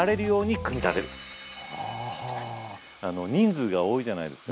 人数が多いじゃないですか。